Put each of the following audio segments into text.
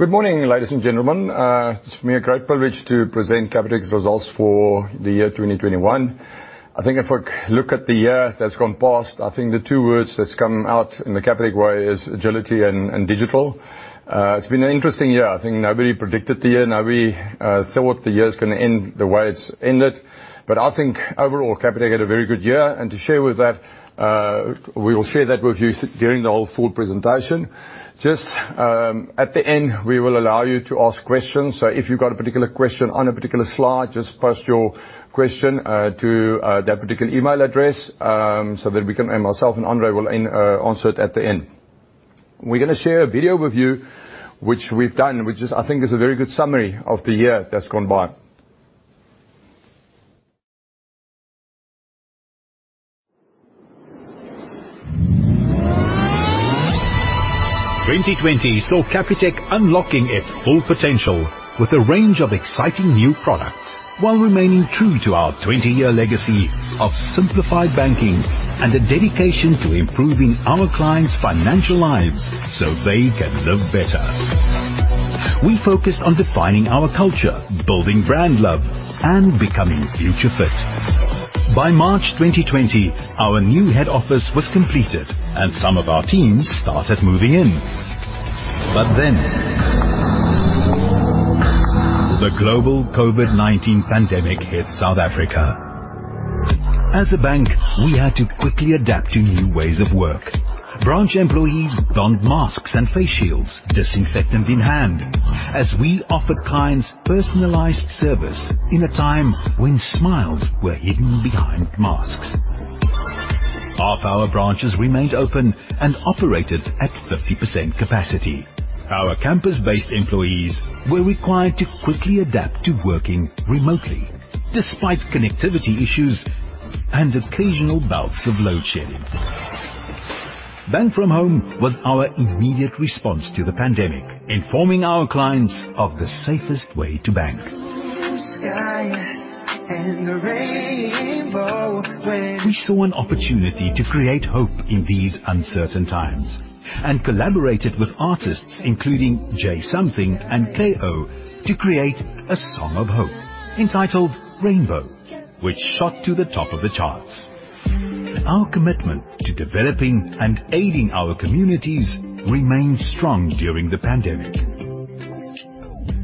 Good morning, ladies and gentlemen. It's for me a great privilege to present Capitec's results for the year 2021. I think if we look at the year that's gone past, I think the two words that's come out in the Capitec way is agility and digital. It's been an interesting year. I think nobody predicted the year, nobody thought the year's going to end the way it's ended. I think overall, Capitec had a very good year, and to share with that, we will share that with you during the whole full presentation. Just at the end, we will allow you to ask questions. So if you've got a particular question on a particular slide, just post your question to that particular email address, so that myself and André will answer it at the end. We're going to share a video with you which we've done, which is, I think is a very good summary of the year that's gone by. 2020 saw Capitec unlocking its full potential with a range of exciting new products while remaining true to our 20-year legacy of simplified banking and a dedication to improving our clients' financial lives so they can live better. We focused on defining our culture, building brand love, and becoming future fit. By March 2020, our new head office was completed, and some of our teams started moving in. The global COVID-19 pandemic hit South Africa. As a bank, we had to quickly adapt to new ways of work. Branch employees donned masks and face shields, disinfectant in hand, as we offered clients personalized service in a time when smiles were hidden behind masks. Half our branches remained open and operated at 50% capacity. Our campus-based employees were required to quickly adapt to working remotely despite connectivity issues and occasional bouts of load shedding. Bank from home was our immediate response to the pandemic, informing our clients of the safest way to bank. Blue skies and the rainbow plays. We saw an opportunity to create hope in these uncertain times and collaborated with artists including J'Something and K.O. to create a song of hope entitled "Rainbow", which shot to the top of the charts. Our commitment to developing and aiding our communities remained strong during the pandemic.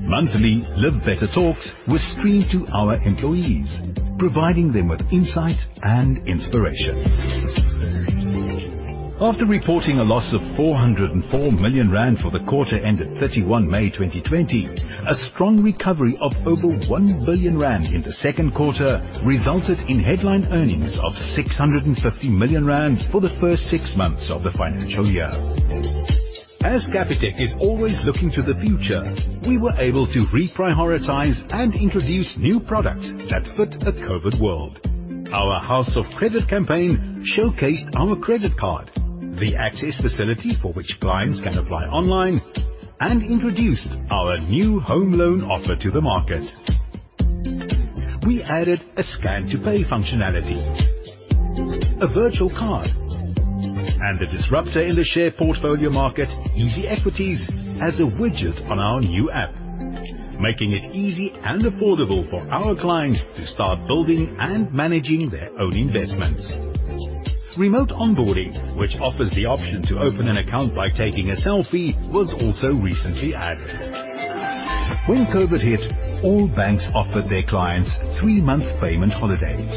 Monthly Live Better Talks were streamed to our employees, providing them with insight and inspiration. After reporting a loss of 404 million rand for the quarter ended 31 May 2020, a strong recovery of over 1 billion rand in the second quarter resulted in headline earnings of 650 million rand for the first six months of the financial year. Capitec is always looking to the future, we were able to reprioritize and introduce new products that fit a COVID world. Our House of Credit campaign showcased our credit card, the Access Facility for which clients can apply online, and introduced our new home loan offer to the market. We added a Scan to Pay functionality, a virtual card, and a disruptor in the share portfolio market, EasyEquities, as a widget on our new app, making it easy and affordable for our clients to start building and managing their own investments. Remote onboarding, which offers the option to open an account by taking a selfie, was also recently added. When COVID hit, all banks offered their clients three-month payment holidays.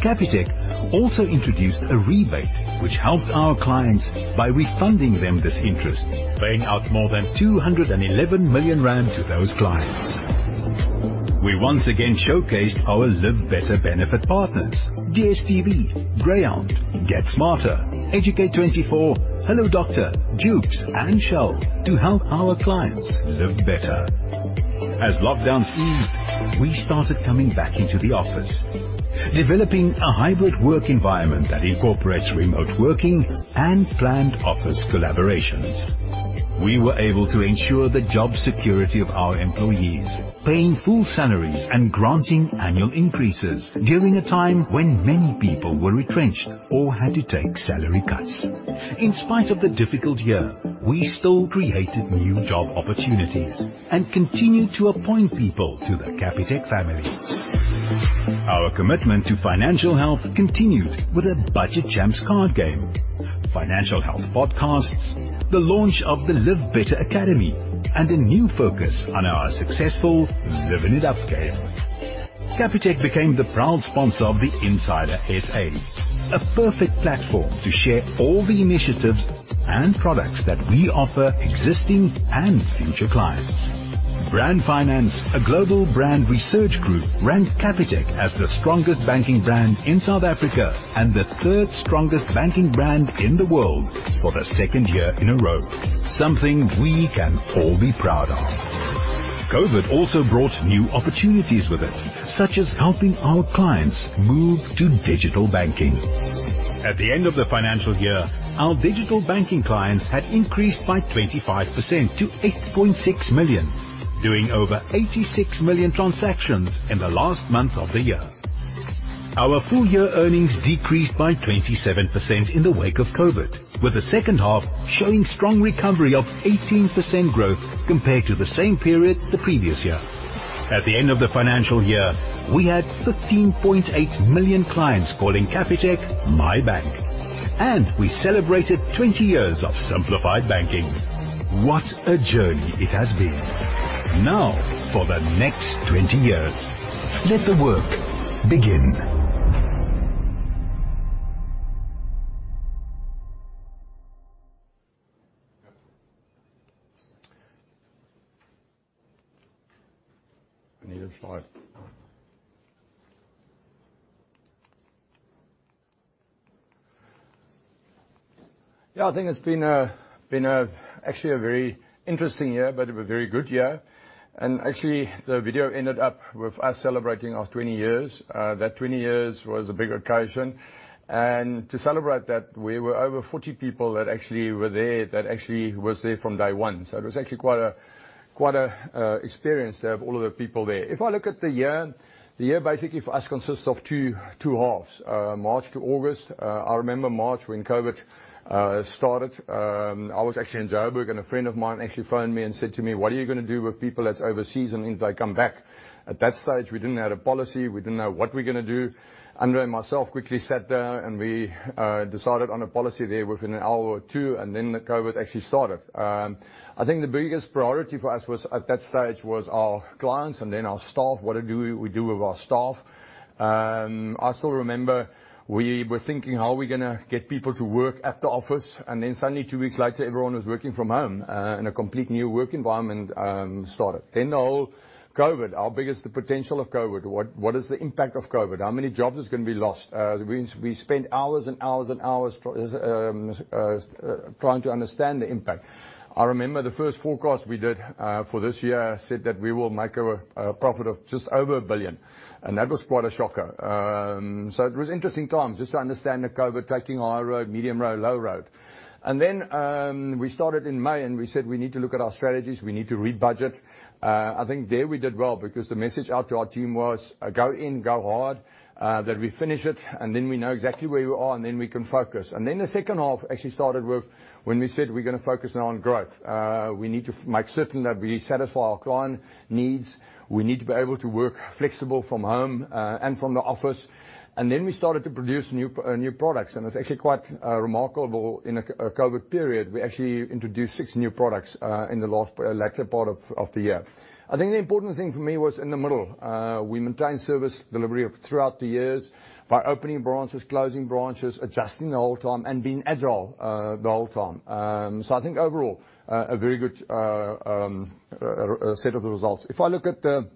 Capitec also introduced a rebate which helped our clients by refunding them this interest, paying out more than 211 million rand to those clients. We once again showcased our Live Better benefit partners, DStv, Greyhound, GetSmarter, Educate24, Hello Doctor, JOOX, and Shell, to help our clients live better. Lockdowns eased, we started coming back into the office, developing a hybrid work environment that incorporates remote working and planned office collaborations. We were able to ensure the job security of our employees, paying full salaries and granting annual increases during a time when many people were retrenched or had to take salary cuts. In spite of the difficult year, we still created new job opportunities and continued to appoint people to the Capitec family. Our commitment to financial health continued with a Budget Champs card game, financial health podcasts, the launch of the Live Better Academy, and a new focus on our successful Livin' It Up game. Capitec became the proud sponsor of The Insider SA, a perfect platform to share all the initiatives and products that we offer existing and future clients. Brand Finance, a global brand research group, ranked Capitec as the strongest banking brand in South Africa and the third strongest banking brand in the world for the second year in a row. Something we can all be proud of. COVID also brought new opportunities with it, such as helping our clients move to digital banking. At the end of the financial year, our digital banking clients had increased by 25% to 8.6 million, doing over 86 million transactions in the last month of the year. Our full year earnings decreased by 27% in the wake of COVID, with the second half showing strong recovery of 18% growth compared to the same period the previous year. At the end of the financial year, we had 15.8 million clients calling Capitec my bank, and we celebrated 20 years of simplified banking. What a journey it has been. For the next 20 years, let the work begin. I need the slide. Yeah, I think it's been actually a very interesting year, but a very good year. Actually, the video ended up with us celebrating our 20 years. That 20 years was a big occasion. To celebrate that, we were over 40 people that actually were there, that actually was there from day one. It was actually quite an experience to have all of the people there. If I look at the year, the year basically for us consists of two halves, March-August. I remember March when COVID started. I was actually in Joburg, and a friend of mine actually phoned me and said to me, "What are you going to do with people that's overseas and if they come back?" At that stage, we didn't have a policy. We didn't know what we're going to do. André and myself quickly sat down. We decided on a policy there within an hour or two. The COVID actually started. I think the biggest priority for us at that stage was our clients and then our staff. What do we do with our staff? I still remember we were thinking, how are we going to get people to work at the office? Suddenly, two weeks later, everyone was working from home, and a complete new work environment started. The whole COVID. How big is the potential of COVID? What is the impact of COVID? How many jobs is going to be lost? We spent hours and hours and hours trying to understand the impact. I remember the first forecast we did for this year said that we will make a profit of just over 1 billion. That was quite a shocker. It was interesting times just to understand the COVID taking a high road, medium road, low road. Then we started in May, and we said, we need to look at our strategies. We need to rebudget. I think there we did well because the message out to our team was, go in, go hard, that we finish it, and then we know exactly where we are, and then we can focus. Then the second half actually started with when we said we're going to focus on growth. We need to make certain that we satisfy our client needs. We need to be able to work flexible from home and from the office. Then we started to produce new products, and it's actually quite remarkable in a COVID period. We actually introduced six new products in the latter part of the year. I think the important thing for me was in the middle. We maintained service delivery throughout the years by opening branches, closing branches, adjusting the whole time, and being agile the whole time. I think overall, a very good set of the results. If I look at the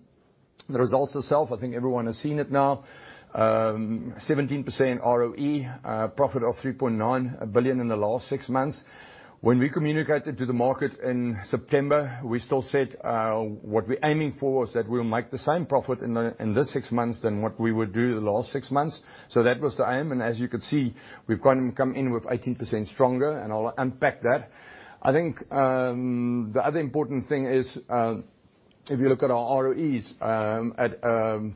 results itself, I think everyone has seen it now. 17% ROE, profit of 3.9 billion in the last six months. When we communicated to the market in September, we still said, what we're aiming for is that we'll make the same profit in this six months than what we would do the last six months. That was the aim. As you could see, we've come in with 18% stronger, and I'll unpack that. I think the other important thing is, if you look at our ROEs, at 30%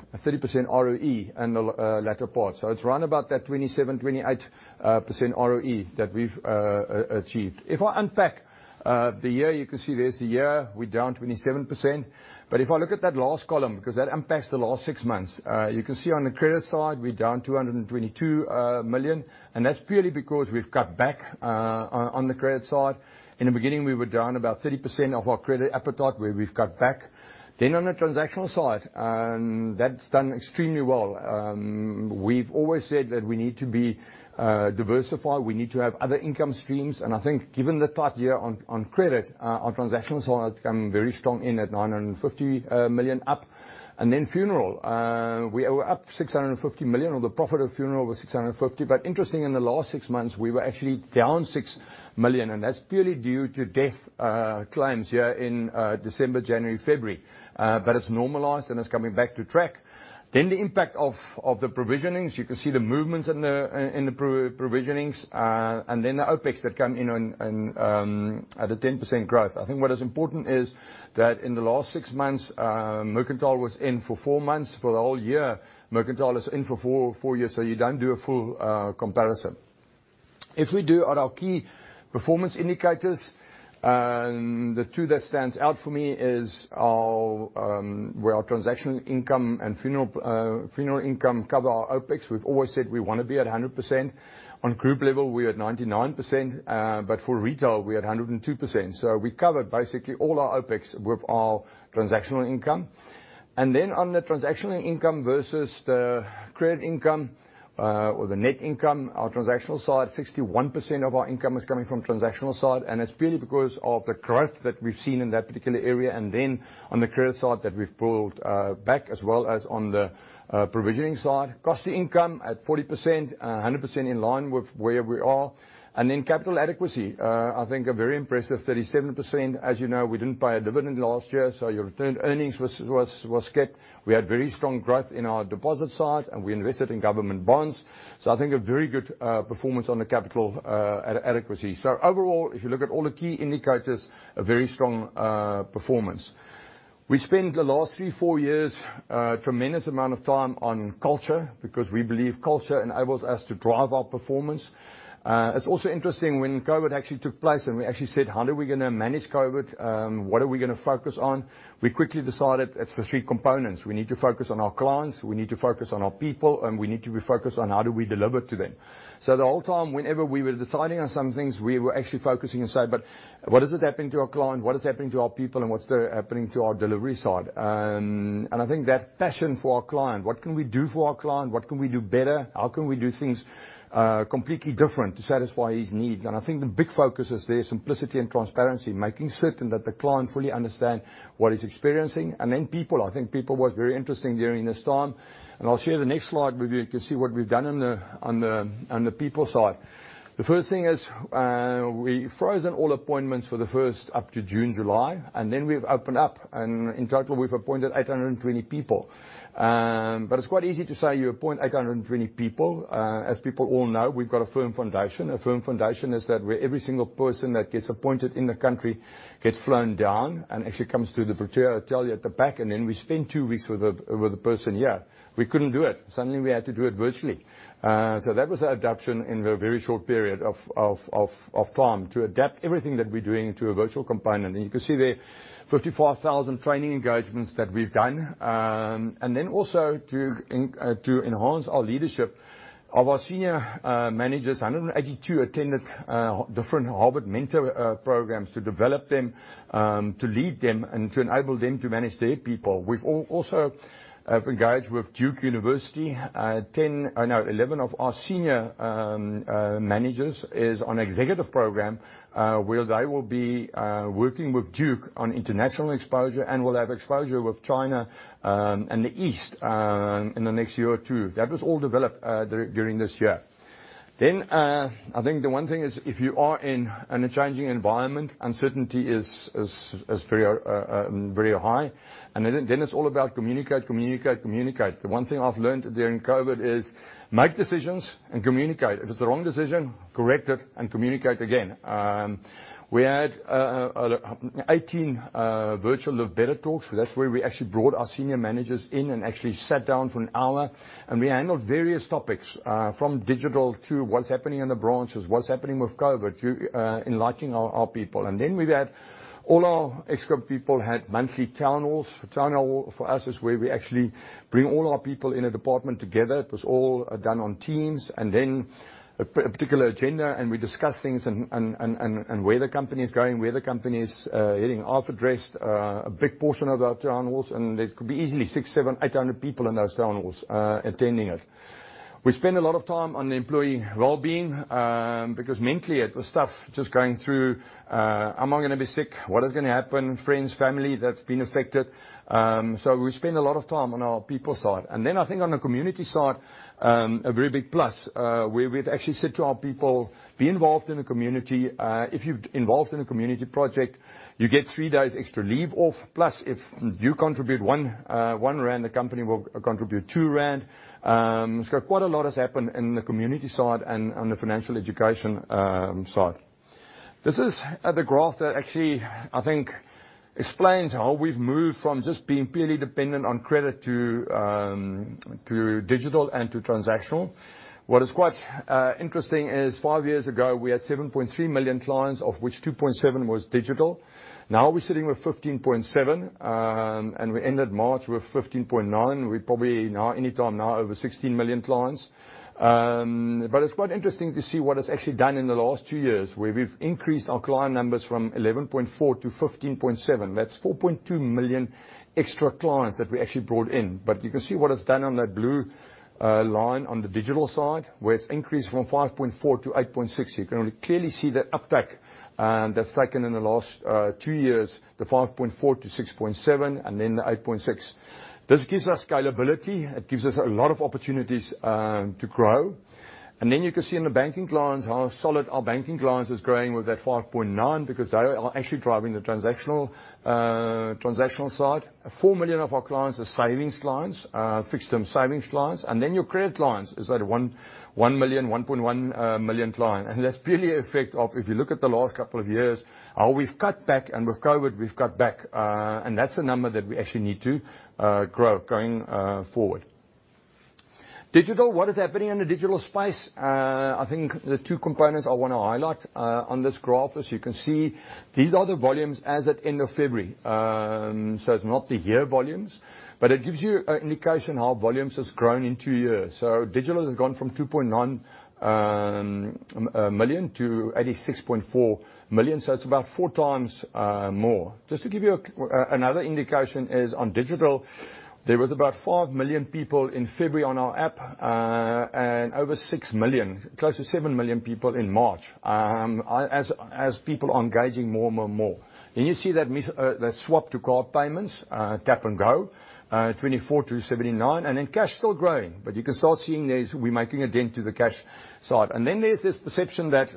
ROE in the latter part. It's around about that 27%-28% ROE that we've achieved. If I unpack the year, you can see there's the year, we're down 27%. If I look at that last column, because that impacts the last six months, you can see on the credit side, we're down 222 million, and that's purely because we've cut back on the credit side. In the beginning, we were down about 30% of our credit appetite, where we've cut back. On the transactional side, that's done extremely well. We've always said that we need to be diversified. We need to have other income streams. I think given the tight year on credit, our transactional side came very strong in at 950 million up. Funeral. We were up 650 million, or the profit of funeral was 650 million. Interesting, in the last six months, we were actually down 6 million, and that's purely due to death claims here in December, January, February. It's normalized, and it's coming back to track. The impact of the provisionings. You can see the movements in the provisionings, and then the OpEx that come in at a 10% growth. I think what is important is that in the last six months, Mercantile was in for four months. For the whole year, Mercantile is in for a full year, so you don't do a full comparison. If we do on our key performance indicators, the two that stands out for me is where our transactional income and funeral income cover our OpEx. We've always said we want to be at 100%. On group level, we're at 99%, but for retail, we're at 102%. We covered basically all our OpEx with our transactional income. On the transactional income versus the credit income or the net income, our transactional side, 61% of our income is coming from transactional side, and it's purely because of the growth that we've seen in that particular area. On the credit side that we've pulled back as well as on the provisioning side. Cost to income at 40%, 100% in line with where we are. Capital adequacy, I think a very impressive 37%. As you know, we didn't pay a dividend last year, so your retained earnings was kept. We had very strong growth in our deposit side, and we invested in government bonds. I think a very good performance on the capital adequacy. Overall, if you look at all the key indicators, a very strong performance. We spent the last three, four years, a tremendous amount of time on culture, because we believe culture enables us to drive our performance. It's also interesting, when COVID actually took place and we actually said, "How are we going to manage COVID? What are we going to focus on?" We quickly decided it's the three components. We need to focus on our clients, we need to focus on our people, and we need to be focused on how do we deliver to them. The whole time, whenever we were deciding on some things, we were actually focusing and saying, "What is happening to our client? What is happening to our people? And what's happening to our delivery side?" I think that passion for our client, what can we do for our client? What can we do better? How can we do things completely different to satisfy his needs? I think the big focus is there, simplicity and transparency. Making certain that the client fully understand what he's experiencing. Then people, I think people was very interesting during this time. I'll share the next slide with you to see what we've done on the people side. The first thing is, we've frozen all appointments for the first up to June, July, and then we've opened up. In total, we've appointed 820 people. It's quite easy to say you appoint 820 people. As people all know, we've got a firm foundation. A firm foundation is that where every single person that gets appointed in the country gets flown down and actually comes to the Pretoria hotel here at the back, and then we spend two weeks with the person here. We couldn't do it. Suddenly we had to do it virtually. That was our adaptation in the very short period of time, to adapt everything that we're doing to a virtual component. You can see there 54,000 training engagements that we've done. Also to enhance our leadership of our senior managers, 182 attended different Harvard Mentor programs to develop them, to lead them, and to enable them to manage their people. We've also have engaged with Duke University. 11 of our senior managers is on executive program, where they will be working with Duke on international exposure and will have exposure with China and the East in the next year or two. That was all developed during this year. I think the one thing is if you are in a changing environment, uncertainty is very high. It's all about communicate, communicate. The one thing I've learned during COVID is make decisions and communicate. If it's the wrong decision, correct it and communicate again. We had 18 virtual Live Better Talks. That's where we actually brought our senior managers in and actually sat down for an hour, and we handled various topics, from digital to what's happening in the branches, what's happening with COVID, to enlightening our people. We've had all our ExCo people had monthly town halls. A town hall for us is where we actually bring all our people in a department together. It was all done on Teams, a particular agenda, and we discuss things and where the company is going, where the company is heading. I've addressed a big portion of our town halls. There could be easily 600, 700, 800 people in those town halls, attending it. We spend a lot of time on the employee wellbeing, because mentally it was tough just going through, "Am I going to be sick? What is going to happen?" Friends, family that's been affected. We spend a lot of time on our people side. I think on the community side, a very big plus, where we've actually said to our people, "Be involved in the community. If you're involved in a community project, you get three days extra leave off. Plus, if you contribute 1 rand, the company will contribute 2 rand. Quite a lot has happened in the community side and on the financial education side. This is the graph that actually, I think explains how we've moved from just being purely dependent on credit to digital and to transactional. What is quite interesting is five years ago, we had 7.3 million clients, of which 2.7 million was digital. Now we're sitting with 15.7 million, and we ended March with 15.9 million. We're probably now, any time now, over 16 million clients. It's quite interesting to see what it's actually done in the last two years, where we've increased our client numbers from 11.4 million to 15.7 million. That's 4.2 million extra clients that we actually brought in. You can see what it's done on that blue line on the digital side, where it's increased from 5.4 million to 8.6 million. You can clearly see the uptake that's taken in the last two years, the 5.4 million to 6.7 million, and then the 8.6 million. This gives us scalability. It gives us a lot of opportunities to grow. Then you can see in the banking clients how solid our banking clients is growing with that 5.9 million because they are actually driving the transactional side. 4 million of our clients are savings clients, fixed term savings clients. Then your credit clients is that 1 million, 1.1 million client. That's purely an effect of, if you look at the last couple of years, how we've cut back and with COVID we've cut back. That's a number that we actually need to grow going forward. Digital, what is happening in the digital space? I think the two components I want to highlight, on this graph as you can see, these are the volumes as at end of February. It's not the year volumes, but it gives you an indication how volumes has grown in two years. Digital has gone from 20.9 million to 86.4 million. It's about 4x more. Just to give you another indication is on digital, there was about 5 million people in February on our app. Over 6 million, close to 7 million people in March. As people are engaging more and more and more. You see that swap to card payments, Tap & Go, 24 million to 79 million. Cash still growing. You can start seeing we making a dent to the cash side. There's this perception that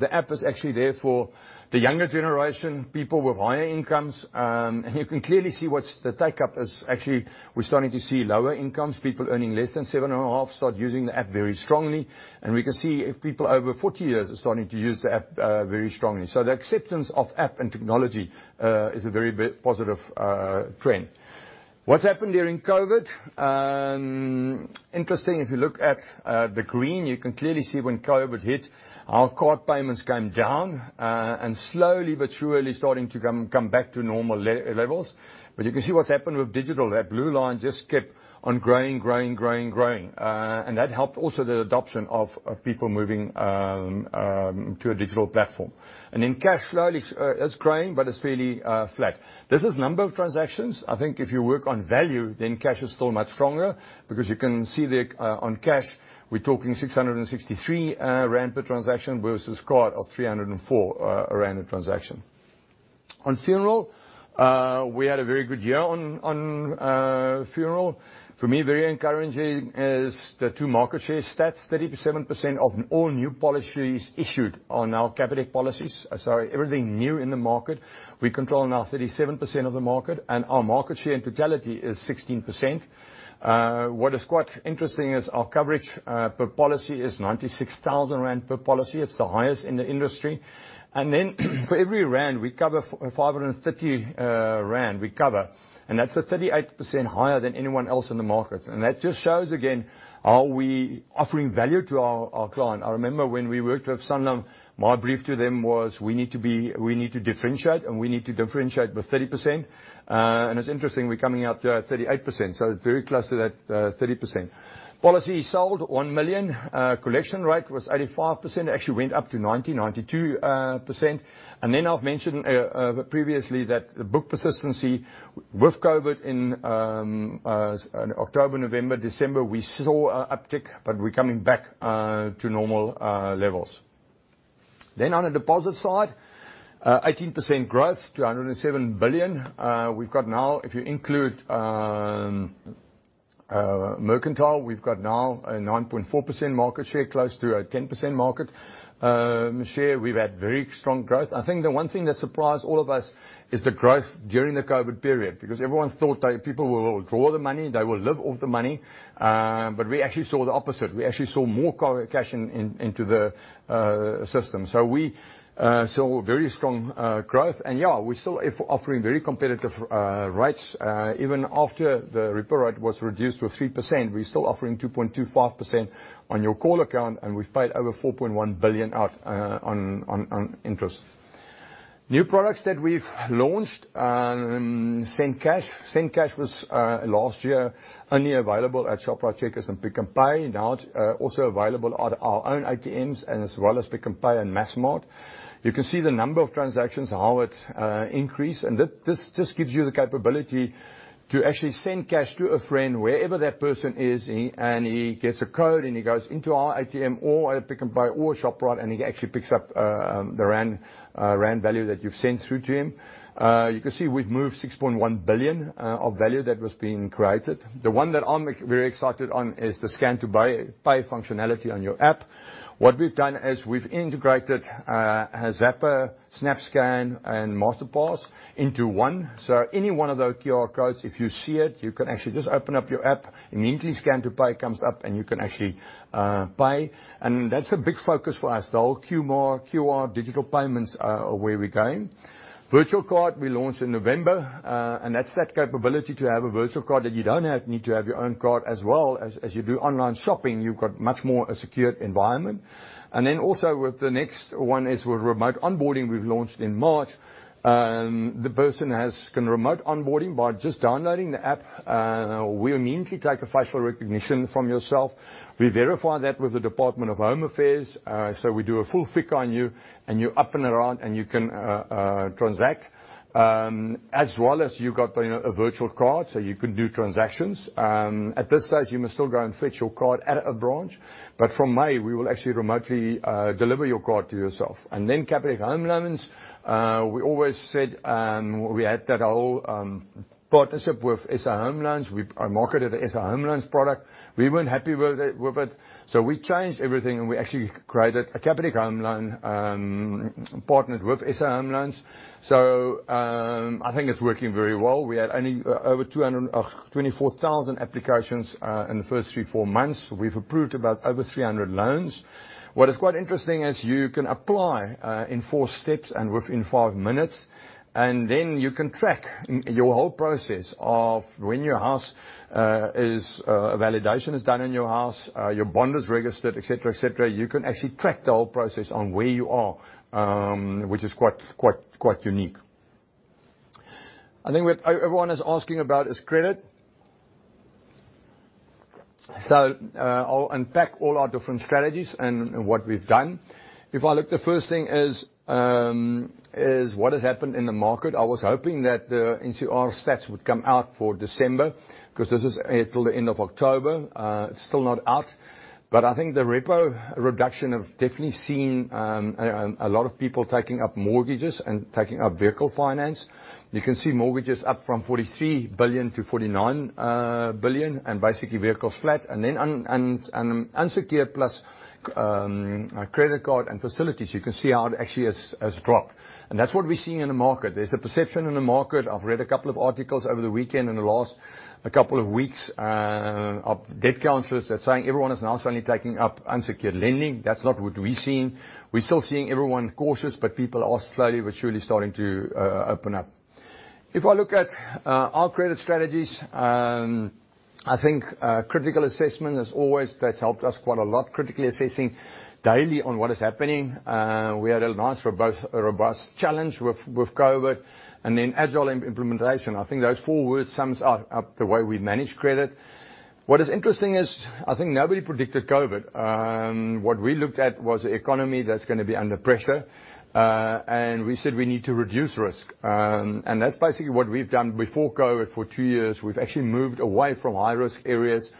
the app is actually there for the younger generation, people with higher incomes. You can clearly see what's the take-up actually, we're starting to see lower incomes, people earning less than 7,500 start using the app very strongly. We can see people over 40 years are starting to use the app very strongly. The acceptance of app and technology is a very positive trend. What's happened during COVID? Interesting, if you look at the green, you can clearly see when COVID hit, our card payments came down, and slowly but surely starting to come back to normal levels. You can see what's happened with digital. That blue line just kept on growing. That helped also the adoption of people moving to a digital platform. Cash slowly is growing, but it's fairly flat. This is number of transactions. I think if you work on value, then cash is still much stronger because you can see there on cash, we're talking 663 rand per transaction versus card of 304 rand a transaction. On funeral, we had a very good year on funeral. For me, very encouraging is the two market share stats. 37% of all new policies issued are now Capitec policies. Everything new in the market, we control now 37% of the market, and our market share in totality is 16%. What is quite interesting is our coverage per policy is 96,000 rand per policy. It's the highest in the industry. For every rand, we cover 530 rand. That's 38% higher than anyone else in the market. That just shows again, are we offering value to our client? I remember when we worked with Sanlam, my brief to them was we need to differentiate, and we need to differentiate with 30%. It's interesting we're coming out there at 38%, so very close to that 30%. Policy sold, 1 million. Collection rate was 85%. It actually went up to 90%-92%. Then I've mentioned previously that the book persistency with COVID in October, November, December, we saw a uptick, but we're coming back to normal levels. Then on the deposit side, 18% growth, 207 billion. We've got now, if you include Mercantile, we've got now a 9.4% market share, close to a 10% market share. We've had very strong growth. I think the one thing that surprised all of us is the growth during the COVID period because everyone thought people will withdraw the money, they will live off the money. We actually saw the opposite. We actually saw more cash into the system. We saw very strong growth. Yeah, we're still offering very competitive rates. Even after the repo rate was reduced to 3%, we're still offering 2.25% on your call account, and we've paid over 4.1 billion out on interest. New products that we've launched. Send Cash. Send Cash was, last year, only available at Shoprite Checkers and Pick n Pay. Now it also available at our own ATMs as well as Pick n Pay and Massmart. You can see the number of transactions, how it increased. This gives you the capability to actually send cash to a friend, wherever that person is, and he gets a code and he goes into our ATM or a Pick n Pay or Shoprite, and he actually picks up the rand value that you've sent through to him. You can see we've moved 6.1 billion of value that was being created. The one that I'm very excited on is the Scan to Pay functionality on your app. What we've done is we've integrated Zapper, SnapScan, and Masterpass into one. Any one of those QR codes, if you see it, you can actually just open up your app and immediately Scan to Pay comes up and you can actually pay. That's a big focus for us. The whole QR digital payments are where we're going. Virtual card we launched in November. That's that capability to have a virtual card that you don't need to have your own card as well. As you do online shopping, you've got much more a secured environment. Also with the next one is with Remote onboarding we've launched in March. The person has remote onboarding by just downloading the app. We immediately take a facial recognition from yourself. We verify that with the Department of Home Affairs. We do a full FICA on you, and you're up and around and you can transact. As well as you've got a virtual card, you can do transactions. At this stage, you must still go and fetch your card at a branch. From May, we will actually remotely deliver your card to yourself. Capitec Home Loans. We always said we had that whole partnership with SA Home Loans. We are marketed as SA Home Loans product. We weren't happy with it, we changed everything and we actually created a Capitec Home Loan partnered with SA Home Loans. I think it's working very well. We had over 24,000 applications in the first three, four months. We've approved about over 300 loans. What is quite interesting is you can apply in four steps and within five minutes. Then you can track your whole process of when validation is done in your house, your bond is registered, et cetera. You can actually track the whole process on where you are, which is quite unique. I think what everyone is asking about is credit. I'll unpack all our different strategies and what we've done. If I look, the first thing is what has happened in the market. I was hoping that the NCR stats would come out for December, because this is until the end of October. Still not out. I think the repo reduction of definitely seeing a lot of people taking up mortgages and taking up vehicle finance. You can see mortgages up from 43 billion to 49 billion, and basically vehicles flat. Unsecured plus credit card and facilities, you can see how it actually has dropped. That's what we're seeing in the market. There's a perception in the market. I've read a couple of articles over the weekend and the last couple of weeks of debt counselors that's saying everyone is now suddenly taking up unsecured lending. That's not what we're seeing. We're still seeing everyone cautious, but people are slowly but surely starting to open up. If I look at our credit strategies, I think critical assessment has always helped us quite a lot, critically assessing daily on what is happening. We had a robust challenge with COVID and then agile implementation. I think those four words sum up the way we manage credit. What is interesting is, I think nobody predicted COVID. What we looked at was the economy that's going to be under pressure. We said we need to reduce risk. That's basically what we've done before COVID. For two years, we've actually moved away from high-risk areas,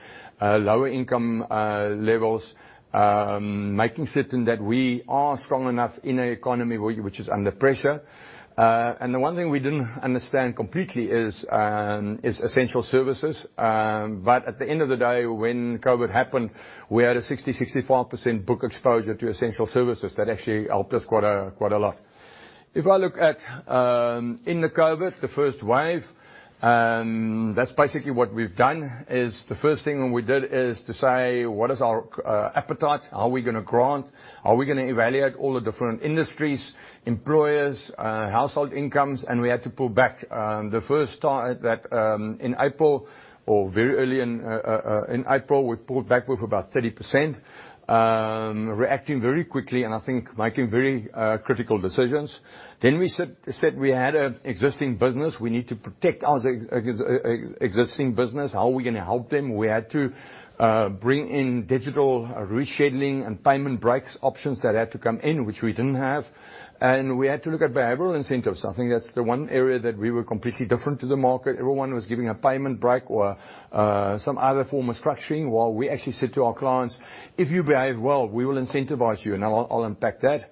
lower income levels, making certain that we are strong enough in an economy which is under pressure. The one thing we didn't understand completely is essential services. At the end of the day, when COVID happened, we had a 60%-65% book exposure to essential services. That actually helped us quite a lot. If I look at in the COVID, the first wave, that's basically what we've done, is the first thing we did is to say, what is our appetite? How are we going to grant? How are we going to evaluate all the different industries, employers, household incomes? We had to pull back. The first start at that in April or very early in April, we pulled back with about 30%, reacting very quickly and I think making very critical decisions. We said we had existing business, we need to protect our existing business. How are we going to help them? We had to bring in digital rescheduling and payment breaks options that had to come in, which we didn't have. We had to look at behavioral incentives. I think that's the one area that we were completely different to the market. Everyone was giving a payment break or some other form of structuring, while we actually said to our clients, "If you behave well, we will incentivize you," and I'll unpack that.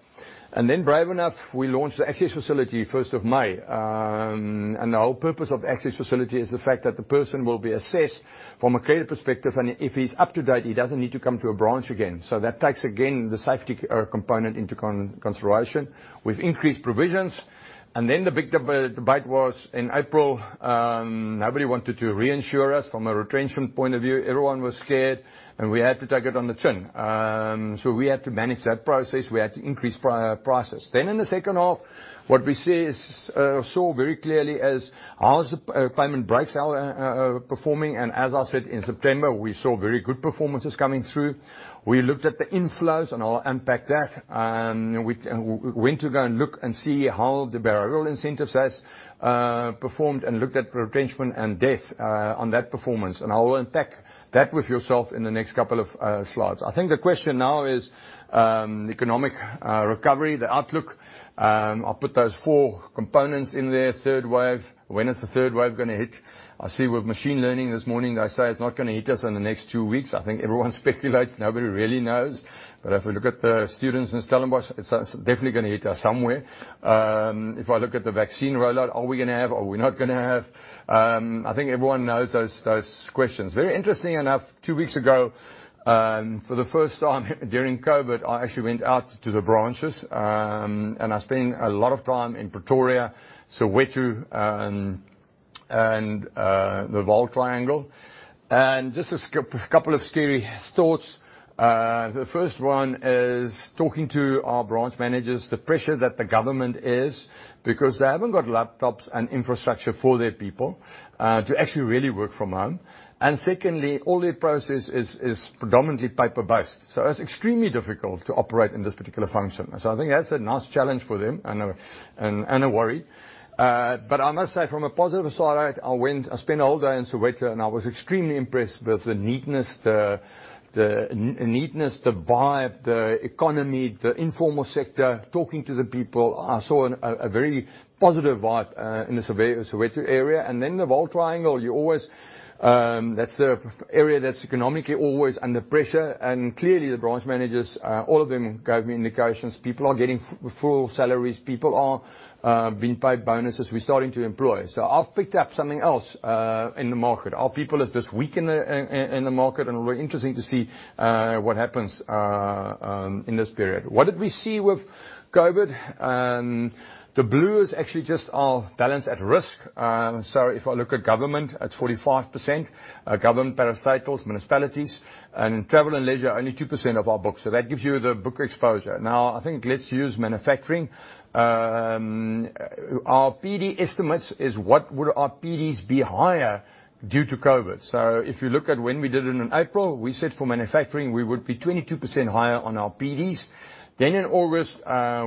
Brave enough, we launched the Access Facility 1st of May. The whole purpose of Access Facility is the fact that the person will be assessed from a credit perspective. If he's up to date, he doesn't need to come to a branch again. That takes, again, the safety component into consideration. We've increased provisions. The big debate was in April, nobody wanted to reinsure us from a retention point of view. Everyone was scared, and we had to take it on the chin. We had to manage that process. We had to increase prices. In the second half, what we saw very clearly is, how is the payment breaks are performing. As I said in September, we saw very good performances coming through. We looked at the inflows, and I'll unpack that. We went to go and look and see how the behavioral incentives has performed and looked at retrenchment and death on that performance. I will unpack that with yourself in the next couple of slides. I think the question now is economic recovery, the outlook. I'll put those four components in there. Third wave. When is the third wave going to hit? I see with machine learning this morning, they say it's not going to hit us in the next two weeks. I think everyone speculates. Nobody really knows. If we look at the students in Stellenbosch, it's definitely going to hit us somewhere. If I look at the vaccine rollout, are we going to have, are we not going to have? I think everyone knows those questions. Very interesting enough, two weeks ago, for the first time during COVID, I actually went out to the branches. I spent a lot of time in Pretoria, Soweto, and the Vaal Triangle. Just a couple of scary thoughts. The first one is talking to our branch managers, the pressure that the government is because they haven't got laptops and infrastructure for their people to actually really work from home. Secondly, all their process is predominantly paper-based. It's extremely difficult to operate in this particular function. I think that's a nice challenge for them and a worry. I must say from a positive side, I spent a whole day in Soweto, and I was extremely impressed with the neatness, the vibe, the economy, the informal sector. Talking to the people, I saw a very positive vibe in the Soweto area. Then the Vaal Triangle, that's the area that's economically always under pressure. Clearly, the branch managers, all of them gave me indications. People are getting full salaries. People are being paid bonuses. We're starting to employ. I've picked up something else in the market. Are people as this weak in the market? It will be interesting to see what happens in this period. What did we see with COVID? The blue is actually just our balance at risk. If I look at government, at 45%, government parastatals, municipalities, and in travel and leisure, only 2% of our books. That gives you the book exposure. I think let's use manufacturing. Our PD estimates is what would our PDs be higher due to COVID. If you look at when we did it in April, we said for manufacturing, we would be 22% higher on our PDs. In August,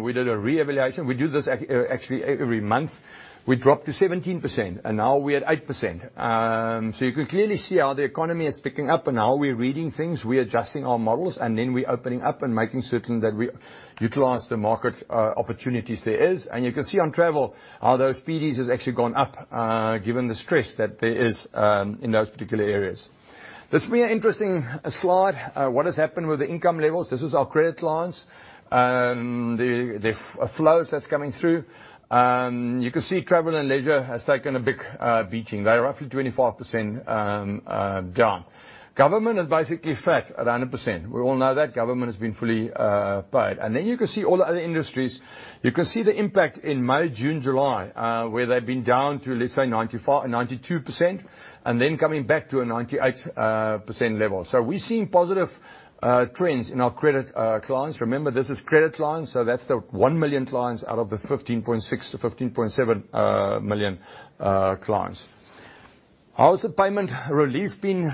we did a reevaluation. We do this actually every month. We dropped to 17%, and now we're at 8%. You can clearly see how the economy is picking up and how we're reading things. We're adjusting our models, and then we opening up and making certain that we utilize the market opportunities there is. You can see on travel how those PDs has actually gone up given the stress that there is in those particular areas. This will be an interesting slide. What has happened with the income levels? This is our credit clients. The flows that's coming through. You can see travel and leisure has taken a big beating. They're roughly 25% down. Government is basically flat at 100%. We all know that government has been fully paid. Then you can see all the other industries. You can see the impact in May, June, July, where they've been down to, let's say, 92%, and then coming back to a 98% level. We're seeing positive trends in our credit clients. Remember, this is credit clients, that's the 1 million clients out of the 15.6 million-15.7 million clients. How has the payment relief been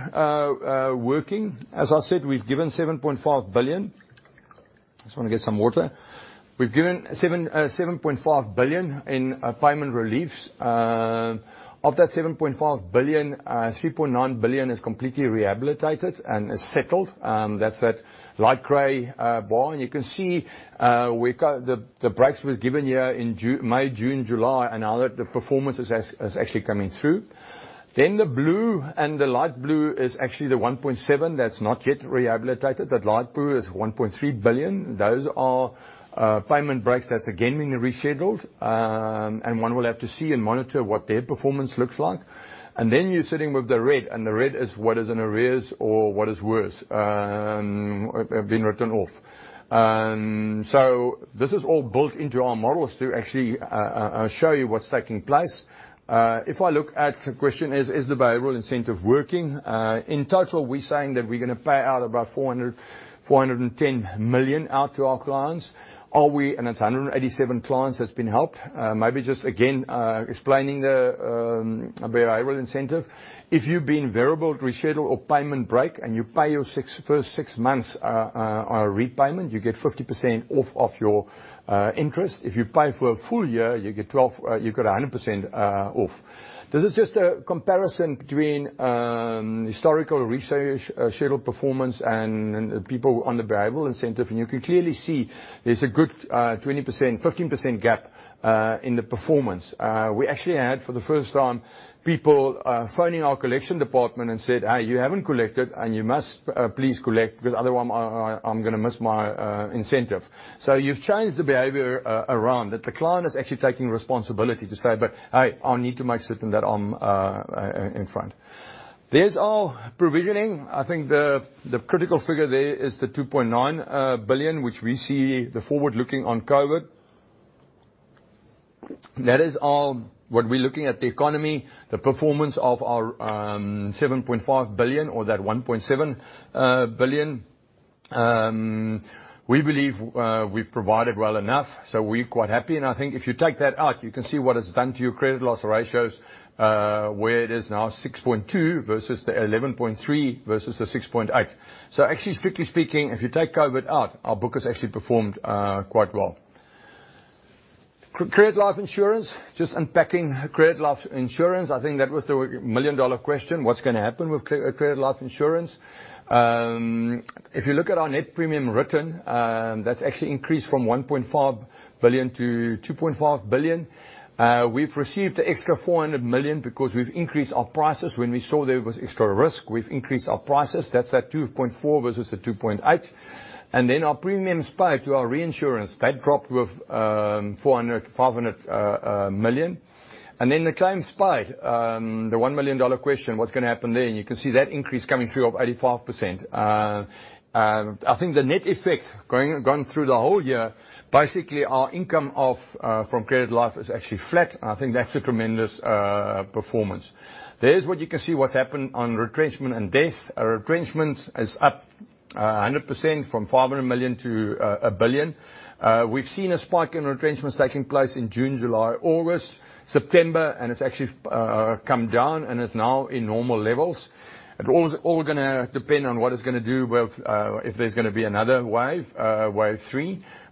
working? As I said, we've given 7.5 billion. I just want to get some water. We've given 7.5 billion in payment reliefs. Of that 7.5 billion, 3.9 billion is completely rehabilitated and is settled. That's that light gray bar. You can see the breaks we were given here in May, June, July, and now that the performance is actually coming through. The blue and the light blue is actually the 1.7 billion that's not yet rehabilitated. That light blue is 1.3 billion. Those are payment breaks that's again been rescheduled. One will have to see and monitor what their performance looks like. You're sitting with the red, and the red is what is in arrears or what is worse, have been written off. This is all built into our models to actually show you what's taking place. The question is the behavioral incentive working? In total, we're saying that we're going to pay out about 410 million out to our clients. It's 187 clients that's been helped. Maybe just, again, explaining the behavioral incentive. If you've been variable to reshuttle or payment break and you pay your first six months repayment, you get 50% off of your interest. If you pay for a full year, you get 100% off. This is just a comparison between historical reschedule performance and people on the behavioral incentive. You can clearly see there's a good 20%, 15% gap in the performance. We actually had, for the first time, people phoning our collection department and said, "Hey, you haven't collected, and you must please collect, because otherwise, I'm going to miss my incentive." You've changed the behavior around, that the client is actually taking responsibility to say, "But, hey, I need to make certain that I'm in front." There's our provisioning. I think the critical figure there is the 2.9 billion, which we see the forward-looking on COVID. That is what we're looking at the economy, the performance of our 7.5 billion or that 1.7 billion. We believe we've provided well enough, so we're quite happy. I think if you take that out, you can see what it's done to your credit loss ratios, where it is now 6.2% versus the 11.3% versus the 6.8%. Actually, strictly speaking, if you take COVID out, our book has actually performed quite well. Credit life insurance, just unpacking credit life insurance. I think that was the million-dollar question. What's going to happen with credit life insurance? If you look at our net premium written, that's actually increased from 1.5 billion to 2.5 billion. We've received an extra 400 million because we've increased our prices. When we saw there was extra risk, we've increased our prices. That's at 2.4 billion versus 2.8 billion. Our premiums paid to our reinsurance, that dropped with 400 million-500 million. The claims paid. The $1 million question, what's going to happen there? You can see that increase coming through of 85%. I think the net effect going through the whole year, basically, our income from credit life is actually flat, and I think that's a tremendous performance. There's what you can see what's happened on retrenchment and death. Our retrenchment is up 100% from 500 million to 1 billion. We've seen a spike in retrenchments taking place in June, July, August, September, and it's actually come down and is now in normal levels. It all is going to depend on what it's going to do with if there's going to be another wave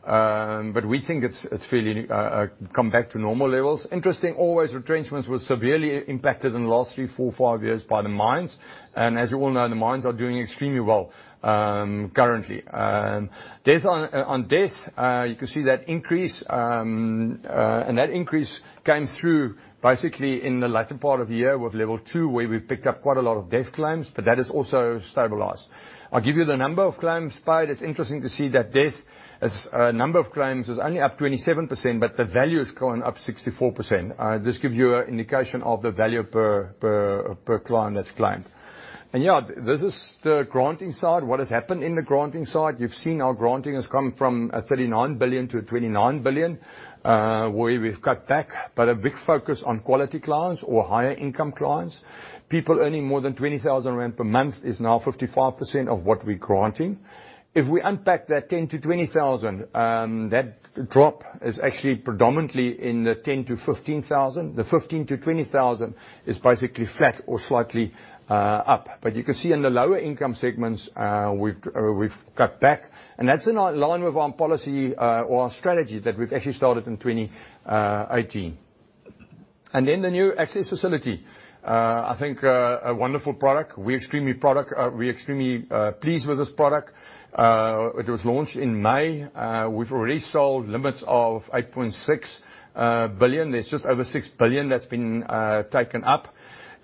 three. We think it's fairly come back to normal levels. Interesting, always retrenchments were severely impacted in the last three, four, five years by the mines. As you all know, the mines are doing extremely well currently. On death, you can see that increase. That increase came through basically in the latter part of the year with Level 2, where we've picked up quite a lot of death claims, but that has also stabilized. I'll give you the number of claims paid. It's interesting to see that death as a number of claims is only up 27%, but the value has gone up 64%. This gives you an indication of the value per client that's claimed. Yeah, this is the granting side. What has happened in the granting side, you've seen our granting has come from 39 billion to 29 billion. Where we've cut back, but a big focus on quality clients or higher income clients. People earning more than 20,000 rand per month is now 55% of what we're granting. If we unpack that 10,000-20,000, that drop is actually predominantly in the 10,000-15,000. The 15,000-20,000 is basically flat or slightly up. You can see in the lower income segments, we've cut back, and that's in line with our policy or our strategy that we've actually started in 2018. The new Access Facility. I think a wonderful product. We're extremely pleased with this product. It was launched in May. We've already sold limits of 8.6 billion. There's just over 6 billion that's been taken up.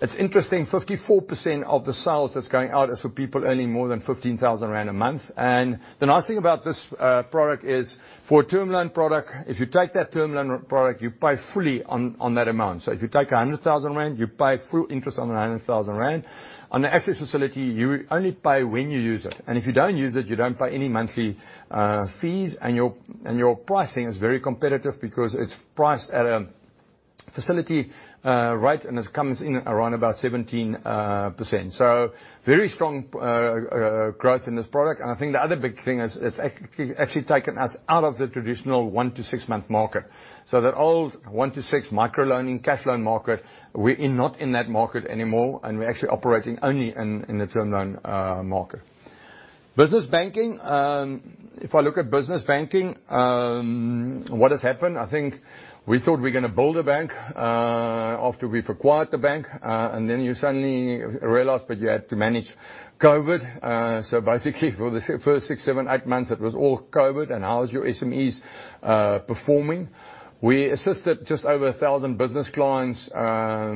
It's interesting, 54% of the sales that's going out is for people earning more than 15,000 rand a month. The nice thing about this product is for a term loan product, if you take that term loan product, you pay fully on that amount. If you take 100,000 rand, you pay full interest on the 100,000 rand. On the Access Facility, you only pay when you use it. If you don't use it, you don't pay any monthly fees. Your pricing is very competitive because it's priced at a facility rate, and it comes in around about 17%. Very strong growth in this product. I think the other big thing is it's actually taken us out of the traditional one to six-month market. That old one to six micro-loaning cash loan market, we're not in that market anymore, and we're actually operating only in the term loan market. Business Banking. If I look at Business Banking, what has happened, I think we thought we were going to build a bank after we've acquired the bank, and then you suddenly realized that you had to manage COVID. Basically, for the first six, seven, eight months, it was all COVID, and how is your SMEs performing. We assisted just over 1,000 business clients